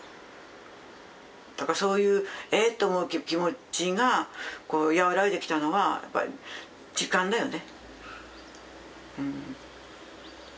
そういう「え」って思う気持ちが和らいできたのはやっぱり時間だよね。